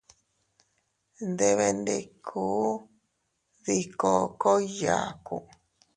Nndebenndikun dii kookoy yaaku.